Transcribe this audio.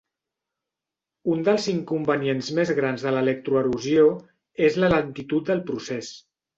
Un dels inconvenients més grans de l'electroerosió és la lentitud del procés.